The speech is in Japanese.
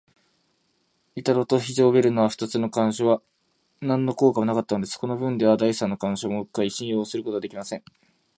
板戸と非常ベルの二つの関所は、なんの効果もなかったのです。このぶんでは、第三の関所もうっかり信用することはできません。